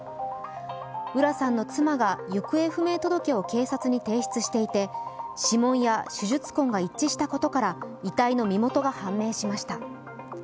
浦さんの妻が行方不明届けを警察に提出していて指紋や手術痕が一致したことから遺体の身元が判明しました。